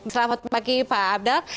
selamat pagi pak abdal